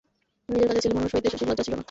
নিজের কাছে ছেলেমানুষ হইতে শশীর লজ্জা ছিল না।